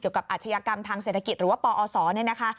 กับอาชญากรรมทางเศรษฐกิจหรือว่าปอศเนี่ยนะคะ